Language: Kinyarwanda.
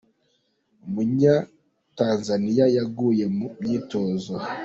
Umunyatanzaniya yaguye mu myitozo